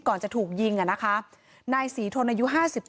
ก่อนจะถูกยิงอ่ะนะคะนายศรีทนอายุ๕๗